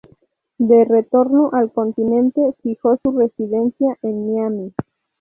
De retorno al continente fijó su residencia en Miami.